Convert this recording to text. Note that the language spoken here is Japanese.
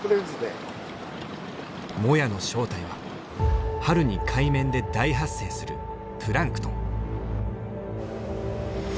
モヤの正体は春に海面で大発生するプランクトン。